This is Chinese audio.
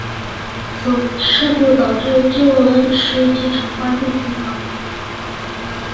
此事故导致旧恩施机场关闭停航。